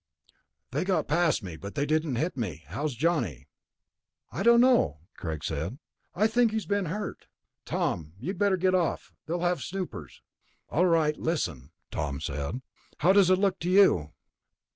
"They got past me, but they didn't hit me. How's Johnny?" "I don't know," Greg said. "I think he's been hurt. Tom, you'd better get off, they'll have snoopers...." "All right, listen," Tom said. "How does it look to you?"